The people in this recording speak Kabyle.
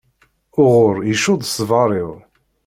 Uɣur icudd ṣṣber-iw.